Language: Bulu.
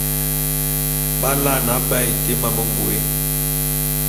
B’alaene aba été mamə ngôé.